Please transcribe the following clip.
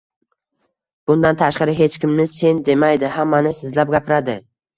Bundan tashqari, hech kimni sen demaydi, hammani sizlab gapiradi.